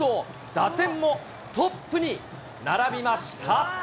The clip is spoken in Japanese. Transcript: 打点もトップに並びました。